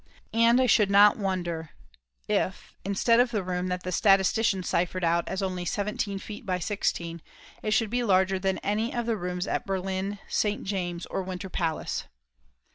And I should not wonder if, instead of the room that the statistician ciphered out as only seventeen feet by sixteen, it should be larger than any of the rooms at Berlin, St. James, or Winter Palace.